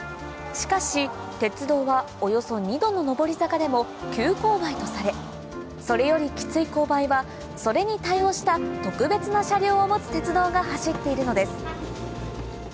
しかし鉄道はおよそ２度の上り坂でも急勾配とされそれよりキツい勾配はそれに対応した特別な車両を持つ鉄道が走っているのです